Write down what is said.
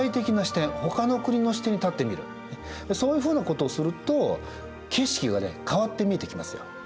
他の国の視点に立ってみるそういうふうなことをすると景色がね変わって見えてきますよ。